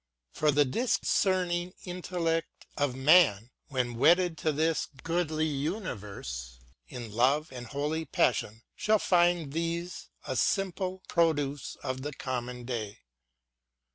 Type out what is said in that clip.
For the discerning intellect of Man, When wedded to this goodly Universe In love and holy passion, shall find these A simple produce of the common day.